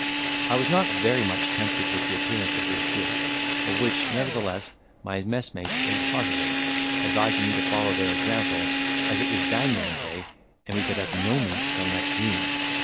I was not very much tempted with the appearance of this dish, of which, nevertheless, my messmates ate heartily, advising me to follow their example, as it was banyan day and we could have no meat till next noon.